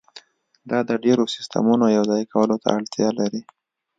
دا د ډیرو سیستمونو یوځای کولو ته اړتیا لري